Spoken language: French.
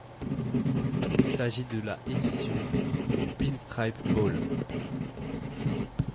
Il s'agit de la édition du Pinstripe Bowl.